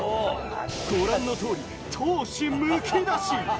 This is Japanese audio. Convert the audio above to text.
ご覧の通り、闘志むき出し。